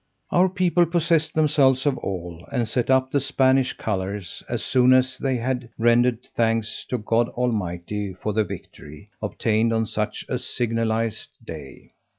Our people possessed themselves of all, and set up the Spanish colours, as soon as they had rendered thanks to God Almighty for the victory obtained on such a signalized day.